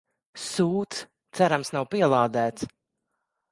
Sūds, cerams nav pielādēts.